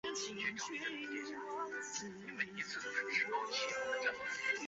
新冠疫情之下，每个人出门都要带口罩，以保护他人不受感染。